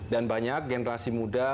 dan banyak generasi muda